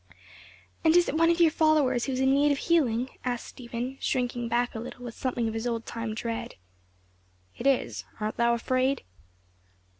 "And is it one of your followers who is in need of healing?" asked Stephen, shrinking back a little with something of his old time dread. "It is. Art thou afraid?"